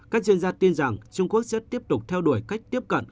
các chuyên gia tin rằng trung quốc sẽ tiếp tục theo đuổi cách tiếp cận